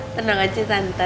tenang aja tante